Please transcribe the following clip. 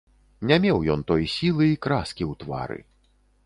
Не меў ён той сілы і краскі ў твары.